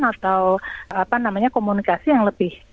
atau komunikasi yang lebih